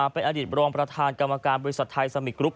เป็นอดีตรองประธานกรรมการบริษัทไทยสมิกกรุ๊